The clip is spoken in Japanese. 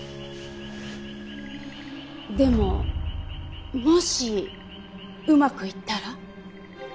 でももしうまくいったら。